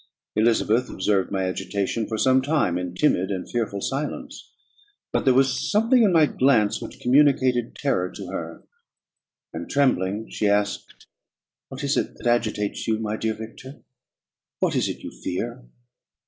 Elizabeth observed my agitation for some time in timid and fearful silence; but there was something in my glance which communicated terror to her, and trembling she asked, "What is it that agitates you, my dear Victor? What is it you fear?"